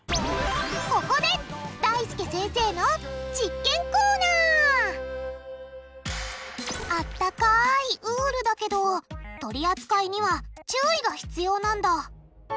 ここであったかいウールだけど取り扱いには注意が必要なんだ！